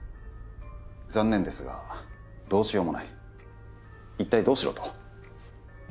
残念ですがどうしようもない一体どうしろと？